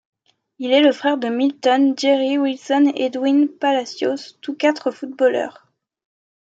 Il est le frère de Milton, Jerry, Wilson et Edwin Palacios, tous quatre footballeurs.